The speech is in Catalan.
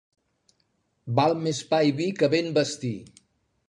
Val més pa i vi que ben vestir.